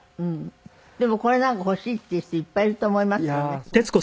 でもこれなんか欲しいっていう人いっぱいいると思いますよね。